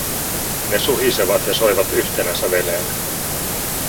Ne suhisevat ja soivat yhtenä säveleenä.